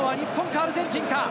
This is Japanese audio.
アルゼンチンか？